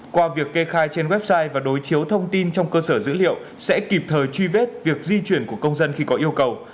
qua việc kê khai trên website và đối chiếu thông tin trong cơ sở dữ liệu sẽ kịp thời truy vết việc di chuyển của công dân khi có yêu cầu